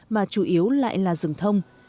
mà chủ yếu lại là rừng thông